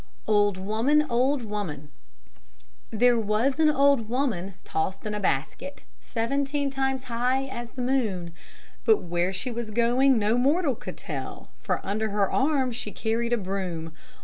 OLD WOMAN, OLD WOMAN There was an old woman tossed in a basket, Seventeen times as high as the moon; But where she was going no mortal could tell, For under her arm she carried a broom.